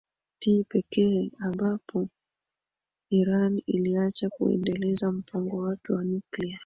ti pekee ambapo irani iliacha kuendeleza mpango wake wa nuclear